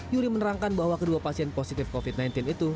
yuri menerangkan bahwa kedua pasien positif covid sembilan belas itu